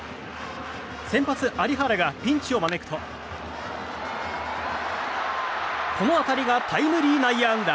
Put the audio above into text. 先発、有原がピンチを招くとこの当たりがタイムリー内野安打。